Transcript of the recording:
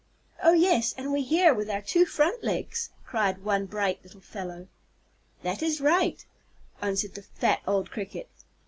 "Oh yes, and we hear with our two front legs," cried one bright little fellow. "That is right," answered the fat old Cricket.